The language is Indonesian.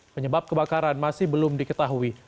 penyebab kebakaran masih belum diketahui